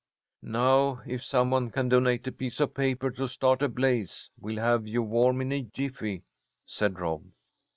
"Now if somebody can donate a piece of paper to start a blaze, we'll have you warm in a jiffy," said Rob.